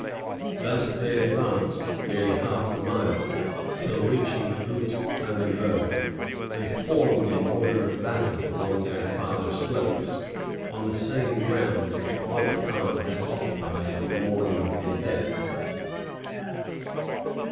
Thus they advanced nearly half a mile; till reaching the Buttes à Neveu, they formed in order of battle along their farther slopes, on the same ground that Montcalm had occupied on the morning of his death.